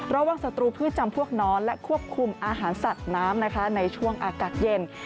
สตรูพืชจำพวกน้อนและควบคุมอาหารสัตว์น้ำนะคะในช่วงอากาศเย็น